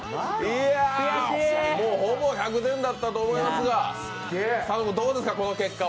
ほぼ１００点だったと思いますがどうですか、この結果は。